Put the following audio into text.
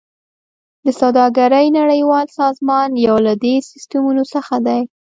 د سوداګرۍ نړیوال سازمان یو له دې سیستمونو څخه دی